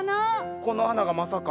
この花がまさか？